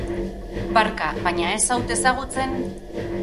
Barka, baina ez haut ezagutzen?